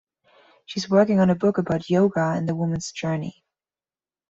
She is working on a book about yoga and the woman's journey.